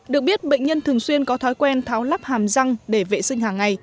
được biết bệnh nhân thường xuyên có thói quen tháo lắp hàm răng để vệ sinh hàng ngày